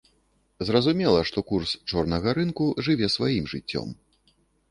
Зразумела, што курс чорнага рынку жыве сваім жыццём.